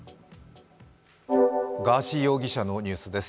ガーシー容疑者のニュースです。